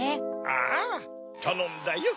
ああたのんだよ。